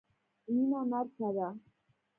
مينه نرسه ده.